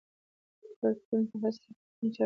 پروټون په هسته کې کوم چارچ لري.